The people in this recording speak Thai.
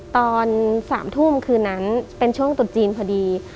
ตอน๓ทุ่มคืนนั้นเป็นช่วงตุดจีนพอดี